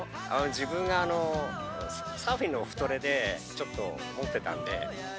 自分がサーフィンのオフトレで、ちょっと持ってたんで。